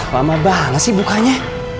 lama banget sih bukanya